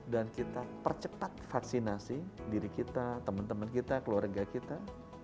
dan kita percepat vaksinasi diri kita teman teman kita keluarga kita